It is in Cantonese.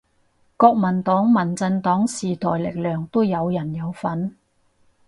國民黨民進黨時代力量都有人有份